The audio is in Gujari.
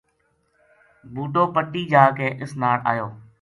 بوٹو پٹی جا کے اس ناڑ ایو